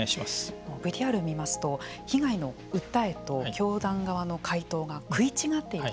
ＶＴＲを見ますと被害の訴えと教団側の回答で食い違っていると。